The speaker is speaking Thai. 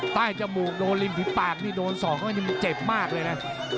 ใต้จมูกโดนริมฝีบปากโดนสอบก็จะเจ็บมากเลยนะ